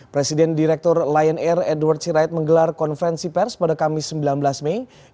presiden direktur lion air edward sirait menggelar konferensi pers pada kamis sembilan belas mei